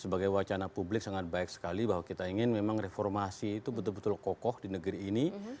sebagai wacana publik sangat baik sekali bahwa kita ingin memang reformasi itu betul betul kokoh di negeri ini